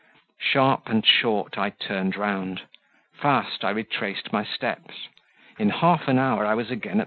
Sharp and short I turned round; fast I retraced my steps; in half an hour I was again at M.